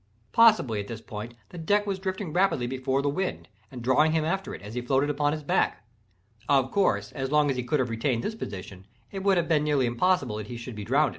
Possibly, at this period the deck was drifting rapidly before the wind, and drawing him after it, as he floated upon his back. Of course, as long as he could have retained this position, it would have been nearly impossible that he should be drowned.